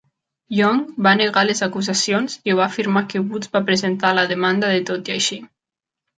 Young va negar les acusacions i va afirmar que Woods va presentar la demanda de tot i així.